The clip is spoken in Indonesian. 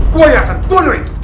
gue yang akan bunuh itu